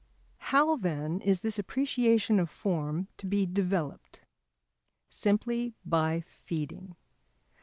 How, then, is this appreciation of form to be developed? Simply by feeding.